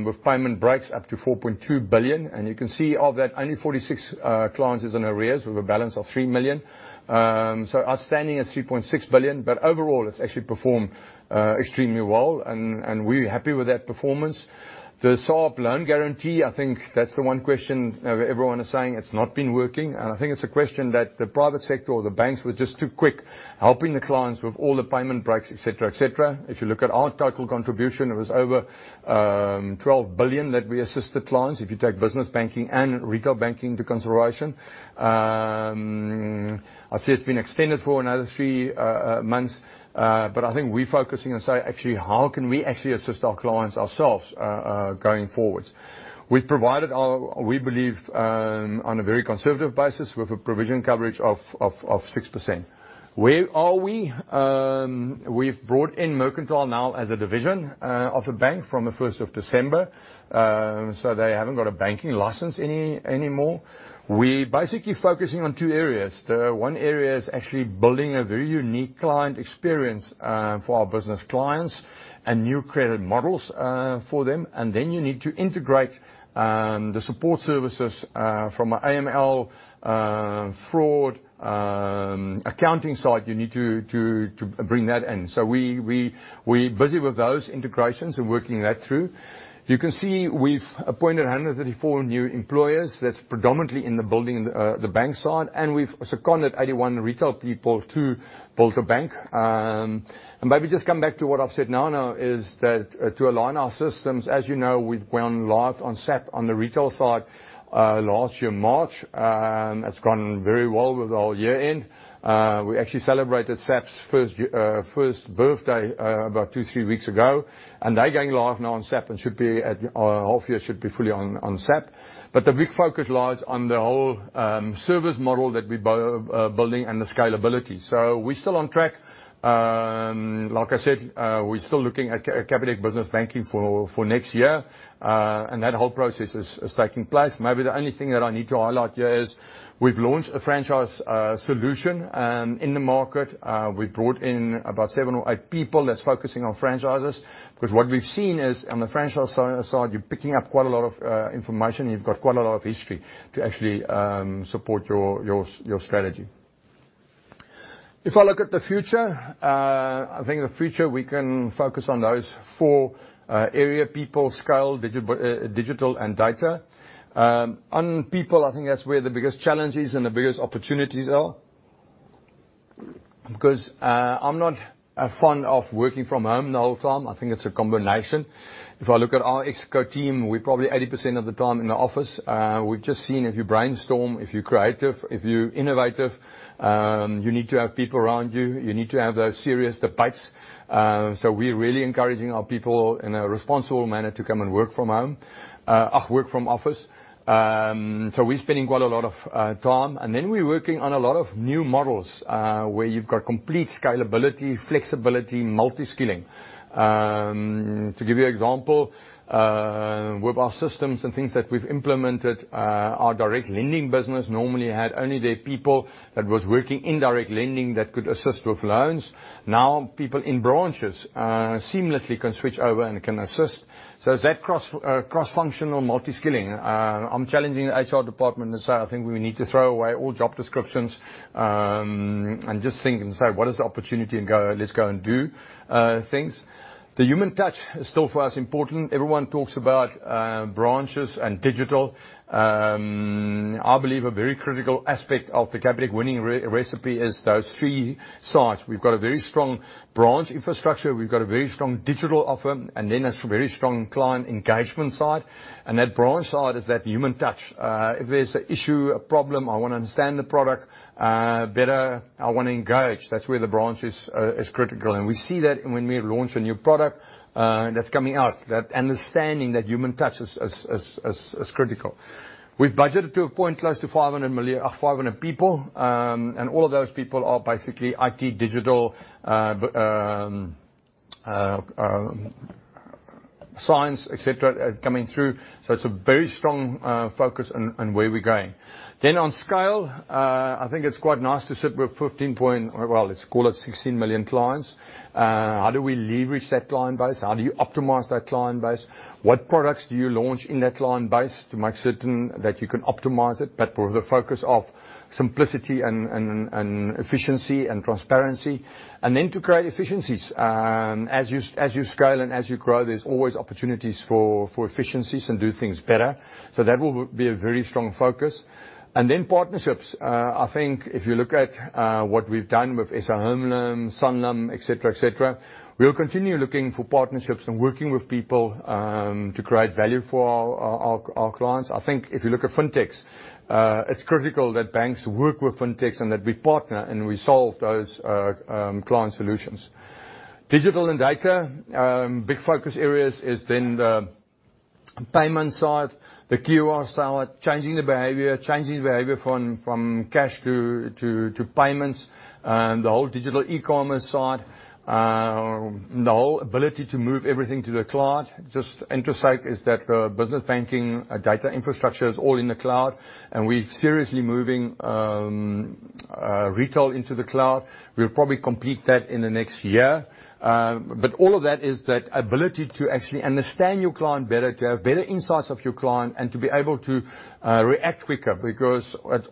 with payment breaks up to 4.2 billion. You can see of that, only 46 clients is in arrears with a balance of 3 million. Outstanding is 3.6 billion. Overall, it's actually performed extremely well, and we're happy with that performance. The SARB loan guarantee, I think that's the one question everyone is saying it's not been working. I think it's a question that the private sector or the banks were just too quick helping the clients with all the payment breaks, et cetera. If you look at our total contribution, it was over 12 billion that we assisted clients, if you take business banking and retail banking into consideration. I see it's been extended for another three months. I think we're focusing on saying, actually, how can we actually assist our clients ourselves, going forward. We believe, on a very conservative basis, with a provision coverage of 6%. Where are we? We've brought in Mercantile now as a division of a bank from the 1st of December. They haven't got a banking license anymore. We're basically focusing on two areas. One area is actually building a very unique client experience for our business clients and new credit models for them. You need to integrate the support services from an AML, fraud, accounting side. You need to bring that in. We're busy with those integrations and working that through. You can see we've appointed 134 new employees. That's predominantly in the building the bank side. We've seconded 81 retail people to build the bank. Maybe just come back to what I've said now is that to align our systems, as you know, we went live on SAP on the retail side last year, March. It's gone very well with our year-end. We actually celebrated SAP's first birthday about two, three weeks ago. They're going live now on SAP and half year should be fully on SAP. The big focus lies on the whole service model that we're building and the scalability. We're still on track. Like I said, we're still looking at Capitec Business Banking for next year. That whole process is taking place. Maybe the only thing that I need to highlight here is we've launched a franchise solution in the market. We've brought in about seven or eight people that's focusing on franchises. What we've seen is on the franchise side, you're picking up quite a lot of information. You've got quite a lot of history to actually support your strategy. If I look at the future, I think in the future, we can focus on those four area: people, scale, digital, and data. On people, I think that's where the biggest challenges and the biggest opportunities are. I'm not a fan of working from home the whole time. I think it's a combination. If I look at our ExCo team, we're probably 80% of the time in the office. We've just seen if you brainstorm, if you're creative, if you're innovative, you need to have people around you. You need to have those serious debates. We're really encouraging our people in a responsible manner to come and work from office. We're spending quite a lot of time. We're working on a lot of new models, where you've got complete scalability, flexibility, multi-skilling. To give you an example, with our systems and things that we've implemented, our direct lending business normally had only their people that was working in direct lending that could assist with loans. People in branches seamlessly can switch over and can assist. It's that cross-functional multi-skilling. I'm challenging the HR department and say, I think we need to throw away all job descriptions, and just think and say, what is the opportunity and let's go and do things. The human touch is still for us important. Everyone talks about branches and digital. I believe a very critical aspect of the Capitec winning recipe is those three sides. We've got a very strong branch infrastructure. We've got a very strong digital offer, and then a very strong client engagement side. That branch side is that human touch. If there's an issue, a problem, I want to understand the product better. I want to engage. That's where the branch is critical. We see that when we launch a new product that's coming out. That understanding that human touch is critical. We've budgeted to appoint close to 500 people. All of those people are basically IT, digital, science, et cetera, coming through. It's a very strong focus on where we're going. On scale, I think it's quite nice to sit with 16 million clients. How do we leverage that client base? How do you optimize that client base? What products do you launch in that client base to make certain that you can optimize it, but with the focus of simplicity and efficiency and transparency? To create efficiencies. As you scale and as you grow, there's always opportunities for efficiencies and do things better. That will be a very strong focus. Partnerships. I think if you look at what we've done with SA Home Loans, Sanlam, et cetera. We'll continue looking for partnerships and working with people to create value for our clients. I think if you look at fintechs, it's critical that banks work with fintechs and that we partner and we solve those client solutions. Digital and data. Big focus areas is then the payment side, the QR side, changing the behavior from cash to payments, the whole digital e-commerce side, the whole ability to move everything to the cloud. Just interesting is that the business banking data infrastructure is all in the cloud, and we're seriously moving retail into the cloud. We'll probably complete that in the next year. All of that is that ability to actually understand your client better, to have better insights of your client, and to be able to react quicker.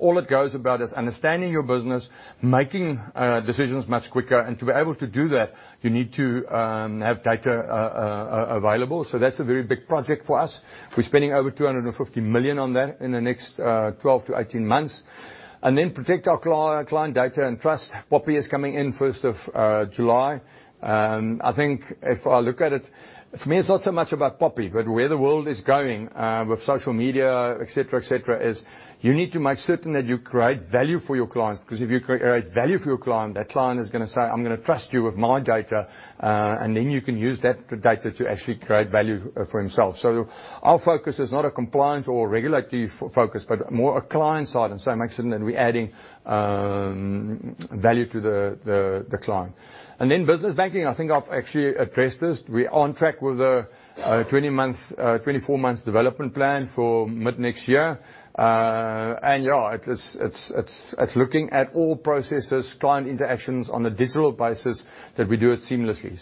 All it goes about is understanding your business, making decisions much quicker. To be able to do that, you need to have data available. That's a very big project for us. We're spending over 250 million on that in the next 12-18 months. Then protect our client data and trust. POPIA is coming in 1st of July. I think if I look at it, for me, it's not so much about POPIA, but where the world is going, with social media, et cetera, is you need to make certain that you create value for your client, because if you create value for your client, that client is going to say, "I'm going to trust you with my data." Then you can use that data to actually create value for himself. Our focus is not a compliance or regulatory focus, but more a client side, in so much as then we're adding value to the client. Business banking, I think I've actually addressed this. We're on track with the 24-month development plan for mid-next year. It's looking at all processes, client interactions on a digital basis, that we do it seamlessly.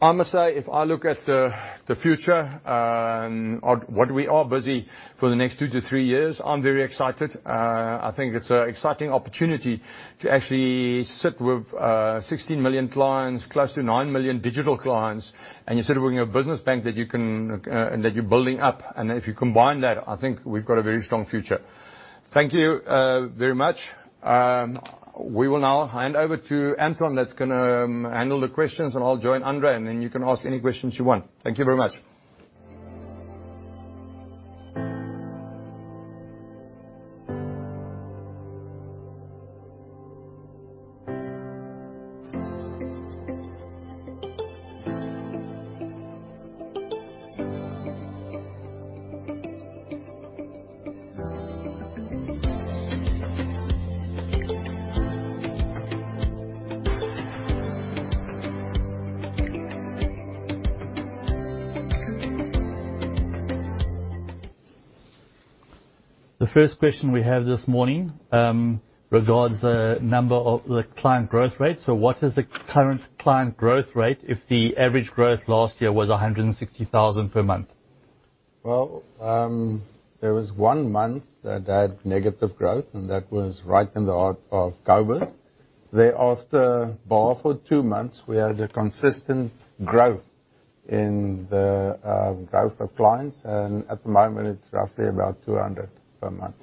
I must say, if I look at the future, on what we are busy for the next two to three years, I'm very excited. I think it's an exciting opportunity to actually sit with 16 million clients, close to 9 million digital clients, and you're setting up a business bank that you're building up. If you combine that, I think we've got a very strong future. Thank you very much. We will now hand over to Anton, that's going to handle the questions. I'll join André, you can ask any questions you want. Thank you very much. The first question we have this morning regards the number of the client growth rate. What is the current client growth rate if the average growth last year was 160,000 per month? Well, there was one month that had negative growth. That was right in the heart of COVID. Thereafter, bar for two months, we had a consistent growth in the growth of clients. At the moment it's roughly about 200 per month,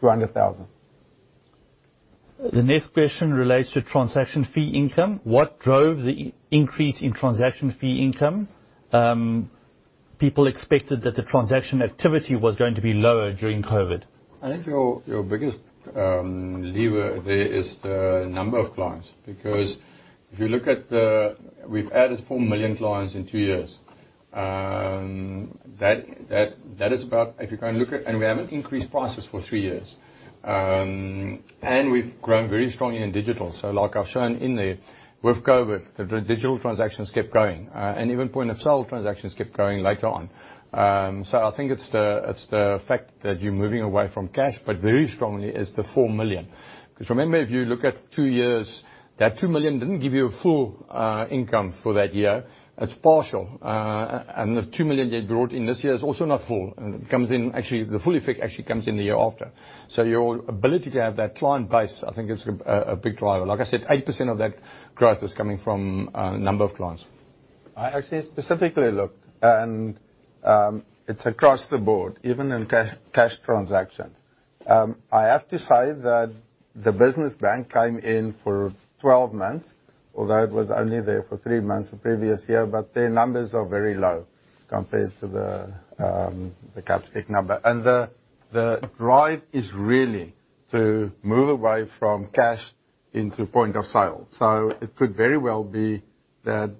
200,000. The next question relates to transaction fee income. What drove the increase in transaction fee income? People expected that the transaction activity was going to be lower during COVID. I think your biggest lever there is the number of clients. If you look at We've added 4 million clients in two years. We haven't increased prices for three years. We've grown very strongly in digital. Like I've shown in there, with COVID, the digital transactions kept growing. Even point-of-sale transactions kept growing later on. I think it's the fact that you're moving away from cash, but very strongly is the 4 million. Remember, if you look at two years, that 2 million didn't give you a full income for that year. It's partial. The 2 million they brought in this year is also not full. The full effect actually comes in the year after. Your ability to have that client base, I think is a big driver. Like I said, 80% of that growth is coming from number of clients. I actually specifically looked, and it's across the board, even in cash transactions. I have to say that the business bank came in for 12 months, although it was only there for three months the previous year. Their numbers are very low compared to the Capitec number. The drive is really to move away from cash into point of sale. It could very well be that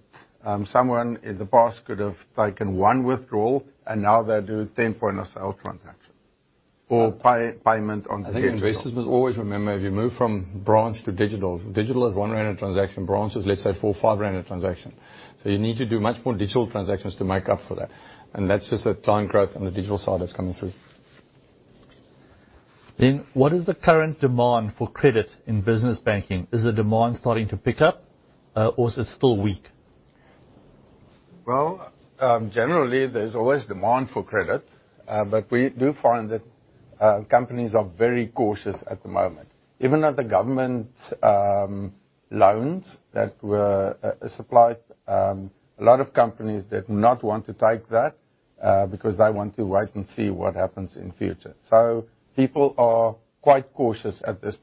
someone in the past could have taken one withdrawal, and now they do 10 point-of-sale transactions. Payment on digital. I think investors must always remember, if you move from branch to digital is 1 rand a transaction, branch is, let's say, 4, 5 rand a transaction. You need to do much more digital transactions to make up for that. That's just the client growth on the digital side that's coming through. What is the current demand for credit in business banking? Is the demand starting to pick up or is it still weak? Well, generally, there's always demand for credit. We do find that companies are very cautious at the moment. Even at the government loans that were supplied, a lot of companies did not want to take that, because they want to wait and see what happens in future. People are quite cautious at this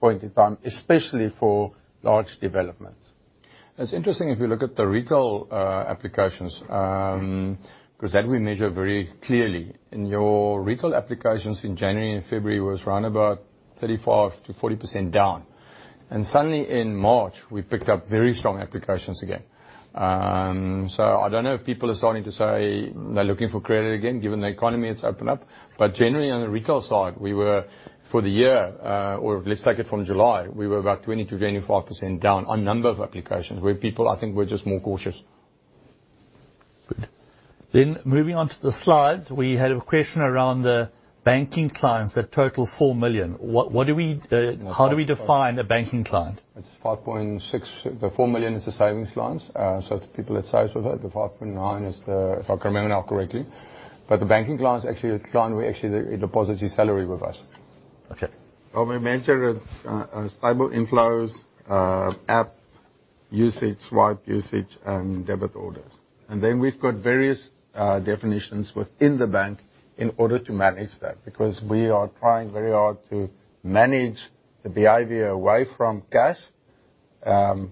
point in time, especially for large developments. It's interesting if you look at the retail applications, because that we measure very clearly. In your retail applications in January and February was around 35%-40% down. Suddenly in March, we picked up very strong applications again. I don't know if people are starting to say they're looking for credit again, given the economy has opened up. Generally, on the retail side, we were for the year, or let's take it from July, we were about 20%-25% down on number of applications where people, I think, were just more cautious. Good. Moving on to the slides. We had a question around the banking clients that total 4 million. How do we define a banking client? It's 5.6 million. The 4 million is the savings clients. It's the people that save with us. The 5.9 million is the, if I remember now correctly. The banking client is actually a client who actually deposits his salary with us. Okay. Well, we mentioned stable inflows, app usage, swipe usage, and debit orders. We've got various definitions within the bank in order to manage that. We are trying very hard to manage the behavior away from cash, and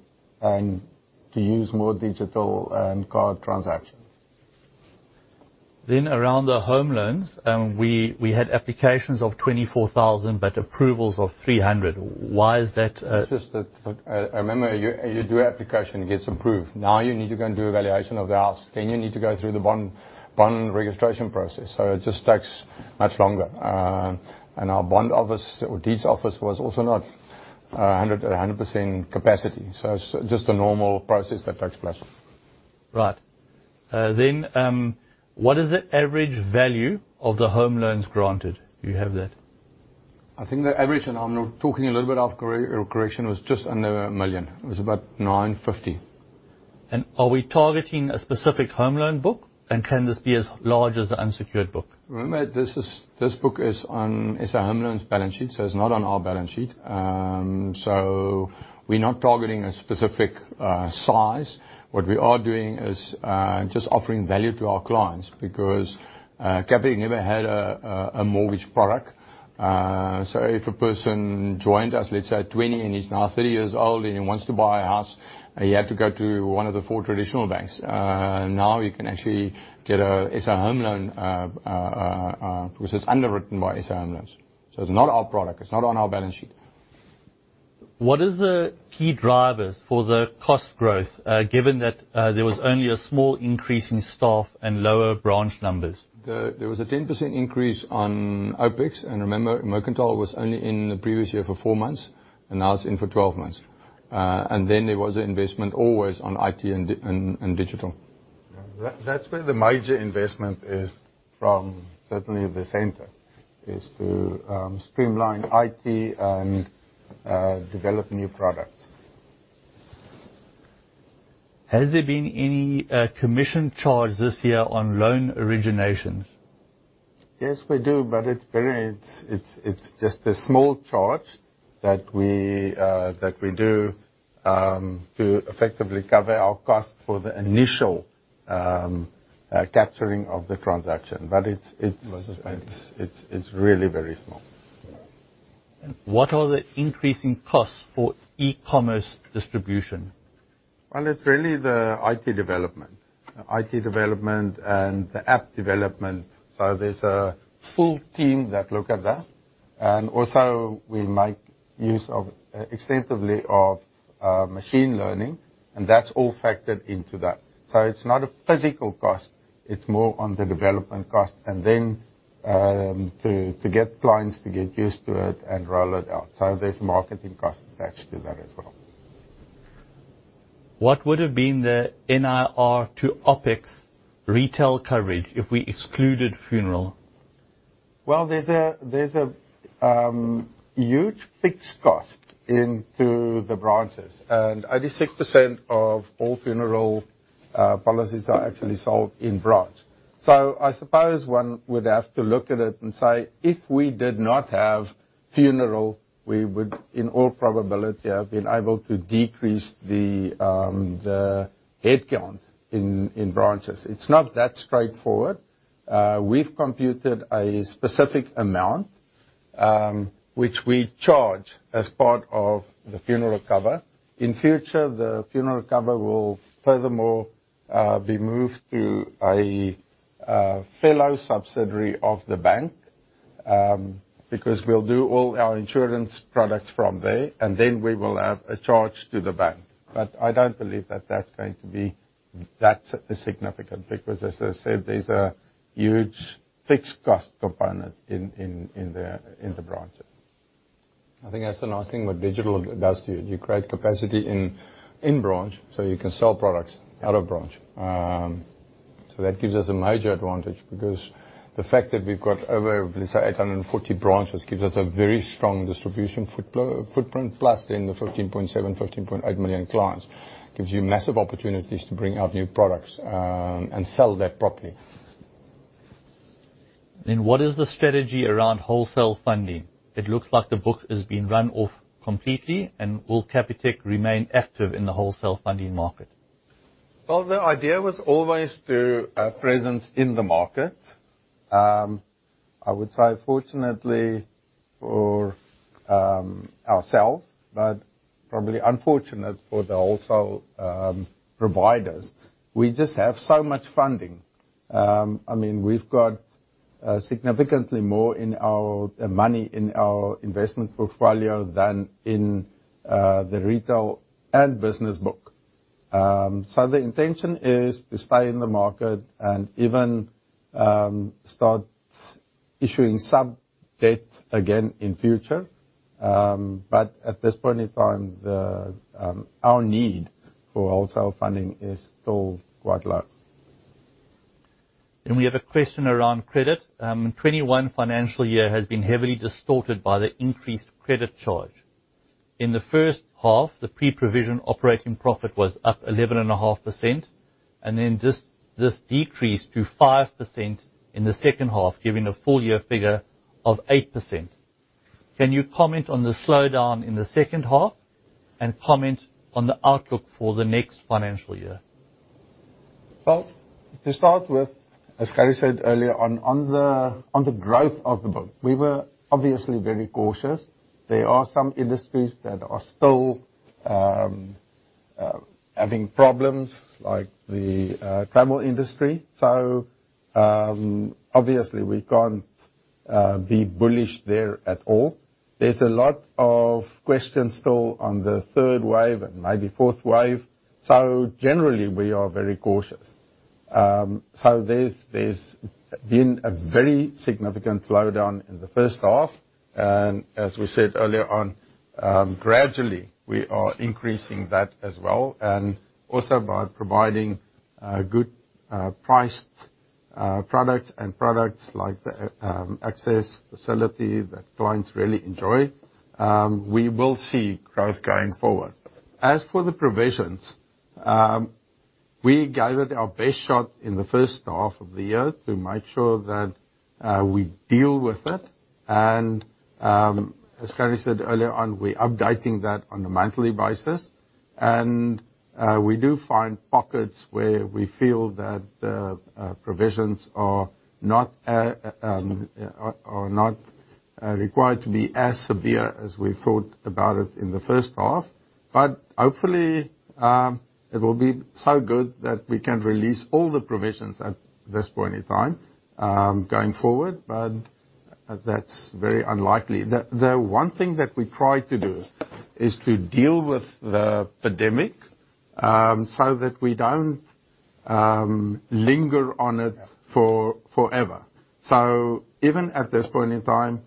to use more digital and card transactions. Around the home loans, we had applications of 24,000, but approvals of 300. Why is that? It's just that, remember, you do application, it gets approved. You need to go and do evaluation of the house. You need to go through the bond registration process. It just takes much longer. Our bond office or deeds office was also not 100% capacity. It's just a normal process that takes place. What is the average value of the home loans granted? Do you have that? I think the average, and I'm talking a little bit out of recollection, was just under a million. It was about 950,000. Are we targeting a specific home loan book? Can this be as large as the unsecured book? Remember, this book is on SA Home Loans balance sheet. It's not on our balance sheet. We're not targeting a specific size. What we are doing is just offering value to our clients because Capitec never had a mortgage product. If a person joined us, let's say at 20, and he's now 30 years old and he wants to buy a house, he had to go to one of the four traditional banks. Now he can actually get a SA Home Loan, which is underwritten by SA Home Loans. It's not our product. It's not on our balance sheet. What is the key drivers for the cost growth, given that there was only a small increase in staff and lower branch numbers? There was a 10% increase on OpEx, and remember, Mercantile was only in the previous year for four months, and now it's in for 12 months. There was investment always on IT and digital. That's where the major investment is from, certainly the center, is to streamline IT and develop new products. Has there been any commission charged this year on loan originations? Yes, we do, but it's just a small charge that we do to effectively cover our cost for the initial capturing of the transaction. Very small. It's really very small. Yeah. What are the increasing costs for e-commerce distribution? Well, it's really the IT development. IT development and the app development. There's a full team that look at that. We make use extensively of machine learning, and that's all factored into that. It's not a physical cost. It's more on the development cost, and then to get clients to get used to it and roll it out. There's marketing cost attached to that as well. What would have been the NIR to OpEx retail coverage if we excluded funeral? Well, there's a huge fixed cost into the branches, and 86% of all funeral policies are actually sold in branch. I suppose one would have to look at it and say, if we did not have funeral, we would, in all probability, have been able to decrease the headcount in branches. It's not that straightforward. We've computed a specific amount, which we charge as part of the funeral cover. In future, the funeral cover will furthermore be moved to a fellow subsidiary of the bank. We'll do all our insurance products from there, and then we will have a charge to the bank. I don't believe that that's going to be that significant because, as I said, there's a huge fixed cost component in the branches. I think that's the nice thing what digital does to you. You create capacity in branch, so you can sell products out of branch. That gives us a major advantage because the fact that we've got over, let's say, 840 branches, gives us a very strong distribution footprint. The 15.7 million, 15.8 million clients gives you massive opportunities to bring out new products, and sell that properly. What is the strategy around wholesale funding? It looks like the book has been run off completely. Will Capitec remain active in the wholesale funding market? Well, the idea was always to have presence in the market. I would say fortunately for ourselves, but probably unfortunate for the wholesale providers, we just have so much funding. We've got significantly more money in our investment portfolio than in the retail and business book. The intention is to stay in the market and even start issuing some debt again in future. At this point in time, our need for wholesale funding is still quite low. We have a question around credit. 2021 financial year has been heavily distorted by the increased credit charge. In the first half, the pre-provision operating profit was up 11.5%, and then this decreased to 5% in the second half, giving a full year figure of 8%. Can you comment on the slowdown in the second half, and comment on the outlook for the next financial year? Well, to start with, as Gerrie said earlier on the growth of the book, we were obviously very cautious. There are some industries that are still having problems, like the travel industry. Obviously, we can't be bullish there at all. There's a lot of questions still on the third wave and maybe fourth wave. Generally, we are very cautious. There's been a very significant slowdown in the first half. As we said earlier on, gradually, we are increasing that as well, and also by providing good priced products and products like the Access Facility that clients really enjoy. We will see growth going forward. As for the provisions, we gave it our best shot in the first half of the year to make sure that we deal with it. As Gerrie said earlier on, we're updating that on a monthly basis. We do find pockets where we feel that the provisions are not required to be as severe as we thought about it in the first half. Hopefully, it will be so good that we can release all the provisions at this point in time, going forward. That's very unlikely. The one thing that we try to do is to deal with the pandemic, so that we don't linger on it forever. Even at this point in time,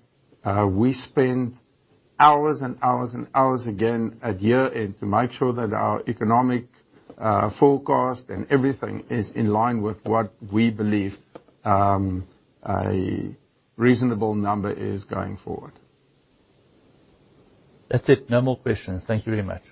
we spend hours and hours and hours again at year-end to make sure that our economic forecast and everything is in line with what we believe a reasonable number is going forward. That's it. No more questions. Thank you very much.